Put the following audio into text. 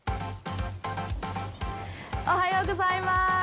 おはようございます！